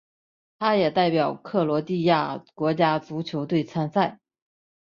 他也代表克罗地亚国家足球队参赛。